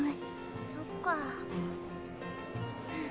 そっか。